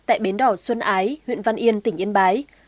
tại bến đỏ xuân ái huyện văn yên tỉnh yên bái